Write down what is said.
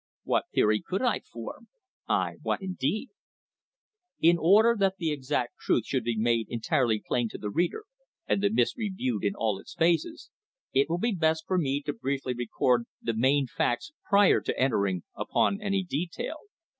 What theory could I form? Aye, what indeed? In order that the exact truth should be made entirely plain to the reader and the mystery viewed in all its phases, it will be best for me to briefly record the main facts prior to entering upon any detail.